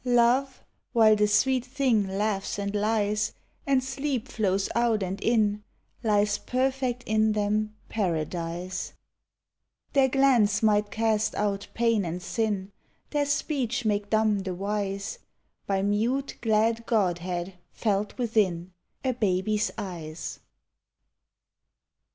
Love, while the sweet thing laughs and lies, And sleep Mows out and in, Lies perfect in them Paradise. Their glance might cast out pain and sin, Their speech make dumb the wise, By mute glad godhead felt within A baby's eyes.